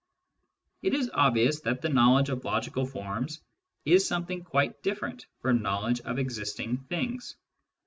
It is obvious that the knowledge of logical forms is something quite different from knowledge of existing things.